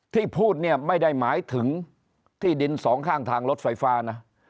ที่พูดเนี่ยไม่ได้หมายถึงที่ดินสองข้างทางรถไฟฟ้านะ